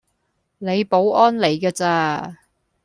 你保安嚟架咋